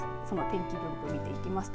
その天気分布見ていきますと